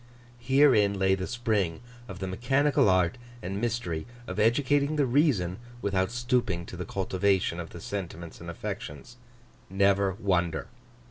Herein lay the spring of the mechanical art and mystery of educating the reason without stooping to the cultivation of the sentiments and affections. Never wonder.